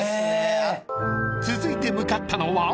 ［続いて向かったのは］